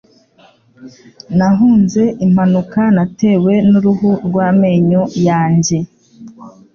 Nahunze impanuka natewe n'uruhu rw'amenyo yanjye.